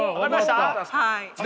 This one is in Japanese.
はい。